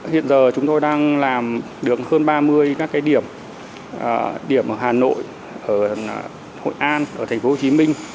hiện giờ chúng tôi đang làm được hơn ba mươi các điểm ở hà nội hội an tp hcm